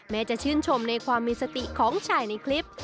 จะชื่นชมในความมีสติของชายในคลิป